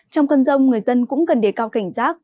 trong cơn rông người dân cũng cần đề cao cảnh giác